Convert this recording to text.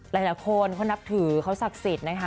หลายคนเขานับถือเขาศักดิ์สิทธิ์นะคะ